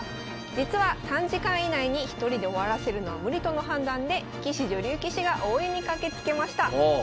実は３時間以内に１人で終わらせるのは無理との判断で棋士女流棋士が応援に駆けつけました。